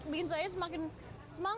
bikin saya semakin penasaran dan senang